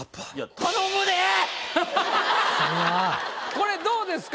これどうですか？